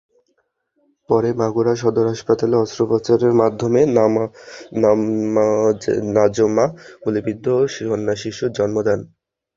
পরে মাগুরা সদর হাসপাতালে অস্ত্রোপচারের মাধ্যমে নাজমা গুলিবিদ্ধ কন্যাশিশুর জন্ম দেন।